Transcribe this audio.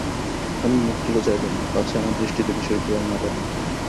আমি মুখ তুলে চাইলুম না, পাছে আমার দৃষ্টি তিনি সইতে না পারেন।